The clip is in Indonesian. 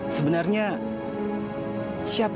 sebenarnya siapa anak kandungnya pak haris bu